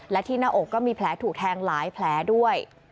และที่หน้าอกก็มีแผลถูกแทงหลายแผลด้วย